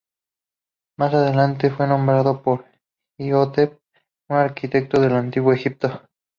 Más adelante fue nombrado por Imhotep, un arquitecto del Antiguo Egipto.